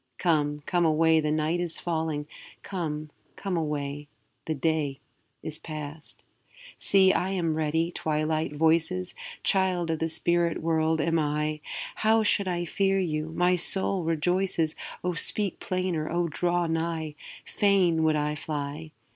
Come, come away, the night is falling; 'Come, come away, the day is past.' See, I am ready, Twilight voices! Child of the spirit world am I; How should I fear you? my soul rejoices, O speak plainer! O draw nigh! Fain would I fly!